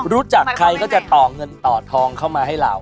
รู้จักใครก็จะต่อเงินต่อทองเข้ามาให้เรา